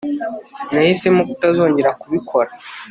nahisemo kutazongera kubikora